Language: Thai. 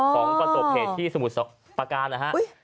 ของกว่าตกเหตุที่สมุทรปฯการนะฮะอุ้ย